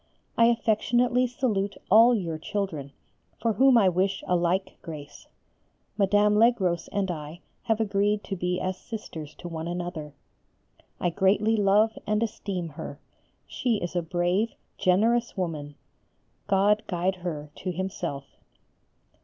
I affectionately salute all your children, for whom I wish a like grace. Madame Legros and I have agreed to be as sisters to one another. I greatly love and esteem her: she is a brave, generous woman. God guide her to Himself.